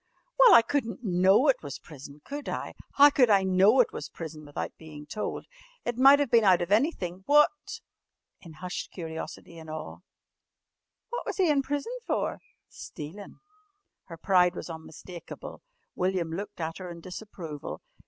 "Well, I couldn't know it was prison, could I? How could I know it was prison without bein' told? It might of been out of anything. What " in hushed curiosity and awe "what was he in prison for?" "Stealin'." Her pride was unmistakable. William looked at her in disapproval.